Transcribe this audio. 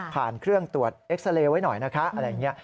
เครื่องตรวจเอ็กซาเรย์ไว้หน่อยนะคะอะไรอย่างนี้